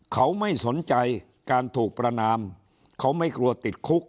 เขาไม่สนใจการถูกประนามเขาไม่กลัวติดคุก